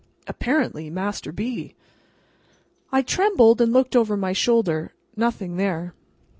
Apparently Master B.! I trembled and looked over my shoulder; nothing there.